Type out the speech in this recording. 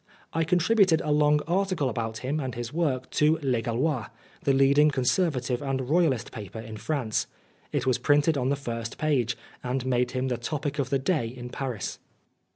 I con tributed a long article about him and his work to Le Gaulois, the leading Con servative and Royalist paper in France. It was printed on the first page, and made him the topic of the day in Paris.